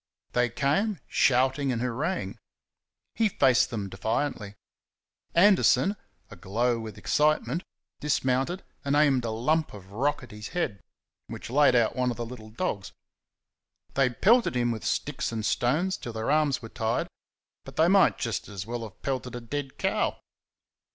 They came, shouting and hooraying. He faced them defiantly. Anderson, aglow with excitement, dismounted and aimed a lump of rock at his head, which laid out one of the little dogs. They pelted him with sticks and stones till their arms were tired, but they might just as well have pelted a dead cow.